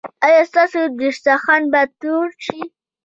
ایا ستاسو دسترخوان به ټول شي؟